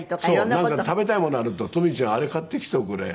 なんか食べたいものあると「とみちゃんあれ買ってきておくれ」。